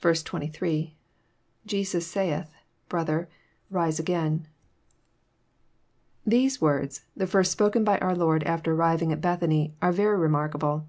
23. — [Jesus saUK,.»brothar...rise again,'] These words, the first spoken by our Lord after arriving at Bethany, are very remark able.